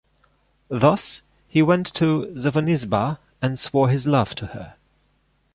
Thus, he went to Sophonisba and swore his love to her.